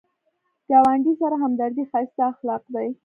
ګاونډي سره همدردي ښایسته اخلاق دي